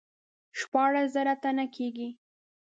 شپاړس زره تنه کیږي.